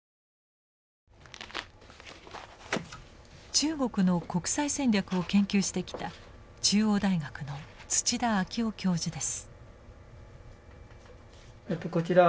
中国の国際戦略を研究してきた中央大学の土田哲夫教授です。